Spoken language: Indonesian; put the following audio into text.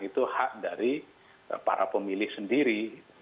itu hak dari para pemilih sendiri